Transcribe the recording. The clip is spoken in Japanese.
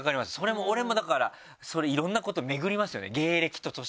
俺もだからそれいろんなこと巡りますよね。